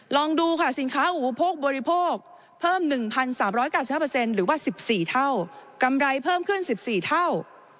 ลองดูค่ะสินค้าอุปโภคบริโภคเพิ่ม๑๓๙๕หรือว่า๑๔เท่ากำไรเพิ่มขึ้น๑๔เท่า